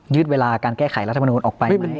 ยืดเวลาการแก้ไขรัฐมนุษย์ออกไปมั้ย